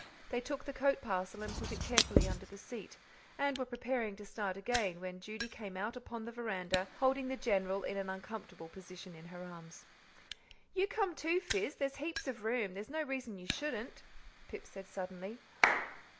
They took the coat parcel and put it carefully under the seat, and were preparing to start again, when Judy came out upon the veranda, holding the General in an uncomfortable position in her arms. "You come, too, Fizz, there's heaps of room there's no reason you shouldn't," Pip said suddenly.